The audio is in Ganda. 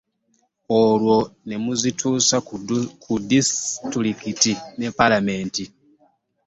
Olwo ne muzituusa ku disitulikiti ne palamenti